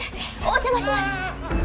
お邪魔します。